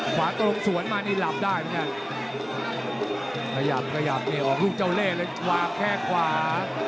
ขวาตรงสวนมานี่หลับได้เหมือนกันขยับขยับเนี่ยออกลูกเจ้าเล่เลยวางแค่ขวา